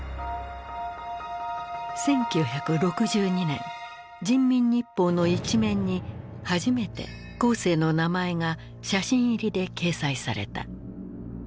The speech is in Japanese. １９６２年人民日報の一面に初めて江青の名前が写真入りで掲載された。